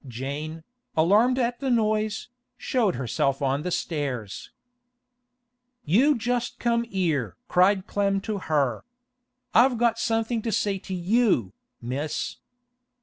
Jane, alarmed at the noise, showed herself on the stairs. 'You just come 'ere!' cried Clem to her. 'I've got something to say to you, Miss!